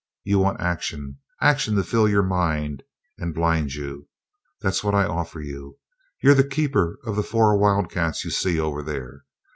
You want action, action to fill your mind and blind you. That's what I offer you. You're the keeper of the four wildcats you see over there.